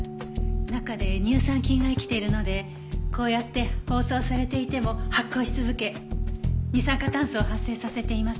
中で乳酸菌が生きているのでこうやって包装されていても発酵し続け二酸化炭素を発生させています。